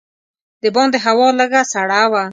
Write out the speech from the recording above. د باندې هوا لږه سړه وه.